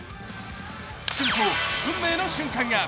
すると運命の瞬間が。